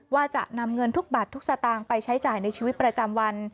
ว่าจะนำเงินทุกบัตรทุกสตางค์ไปใช้จ่ายในชีวิตประจำวัน